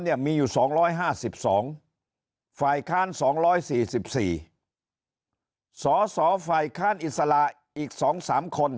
มีอยู่๒๕๒ฝ่ายค้าน๒๔๔สสฝ่ายค้านอิสระอีก๒๓คน